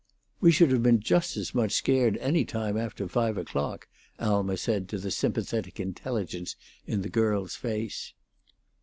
"We should have been just as much scared any time after five o'clock," Alma said to the sympathetic intelligence in the girl's face.